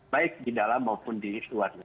baik di dalam maupun di luar